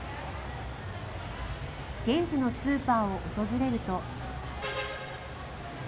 現地のスーパーを訪れると。